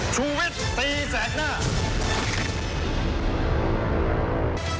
ชีวิตตีแสดหน้า